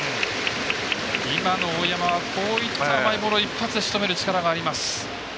今の大山はこういった甘いボールを一発でしとめる力があります。